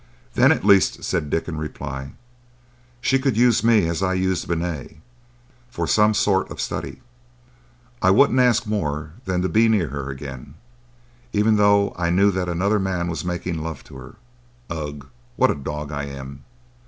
"Then at the least," said Dick, in reply, "she could use me as I used Binat,—for some sort of a study. I wouldn't ask more than to be near her again, even though I knew that another man was making love to her. Ugh! what a dog I am!"